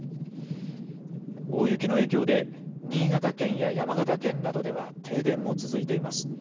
大雪の影響で新潟県や山形県などでは停電も続いています。